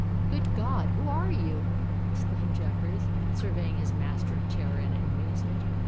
"Good God! who are you?" exclaimed Jeffreys, surveying his master in terror and amazement.